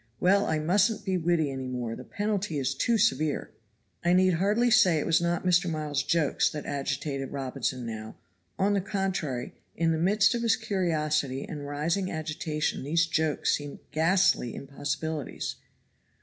Well, I mustn't be witty any more, the penalty is too severe." I need hardly say it was not Mr. Miles's jokes that agitated Robinson now; on the contrary, in the midst of his curiosity and rising agitation these jokes seemed ghastly impossibilities.